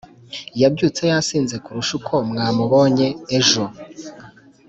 yabyutse yasinze kurusha uko mwamubonye ejo